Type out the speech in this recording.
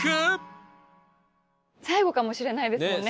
最後かもしれないですもんね。